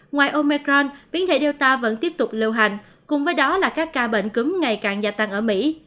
ngoài omecron biến hệ delta vẫn tiếp tục lưu hành cùng với đó là các ca bệnh cúm ngày càng gia tăng ở mỹ